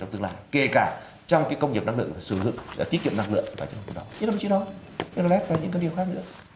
tức là kể cả trong công nghiệp năng lượng sử dụng tiết kiệm năng lượng và những điều khác nữa